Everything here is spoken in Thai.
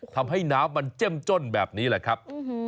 ทำให้น้ำมันเจ้มจ้นแบบนี้แหละครับ